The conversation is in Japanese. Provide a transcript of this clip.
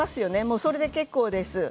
それで結構です。